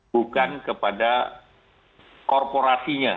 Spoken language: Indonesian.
bukan kepada korporasinya